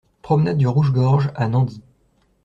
Promenade du Rouge Gorge à Nandy